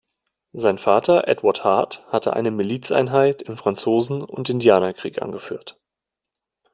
Sein Vater Edward Hart hatte eine Milizeinheit im Franzosen- und Indianerkrieg angeführt.